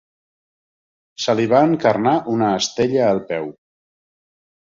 Se li va encarnar una estella al peu.